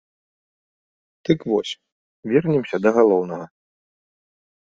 Дык вось, вернемся да галоўнага.